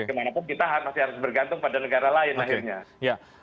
bagaimanapun kita masih harus bergantung pada negara lain akhirnya